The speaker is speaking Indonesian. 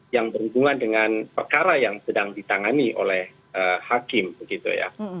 yang berhubungan dengan perkara yang sedang ditangani oleh hakim begitu ya